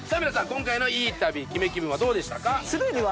今回のいい旅・キメ気分はどうでしたか？